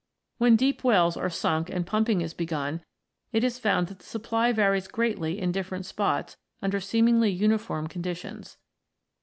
When deep wells are sunk and pumping is begun, it is found that the supply varies greatly in different spots under seemingly uniform conditions.